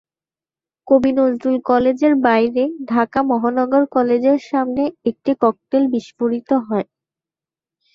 কবি নজরুল কলেজের বাইরে ঢাকা মহানগর কলেজের সামনে একটি ককটেল বিস্ফোরিত হয়।